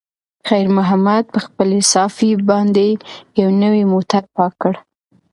خیر محمد په خپلې صافې باندې یو نوی موټر پاک کړ.